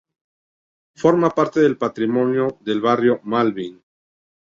Forma parte del patrimonio del barrio Malvín.